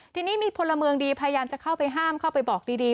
ทีนี้มีพลเมืองดีพยายามจะเข้าไปห้ามเข้าไปบอกดี